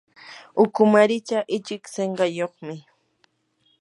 ukumaricha ichik sinqayuqmi.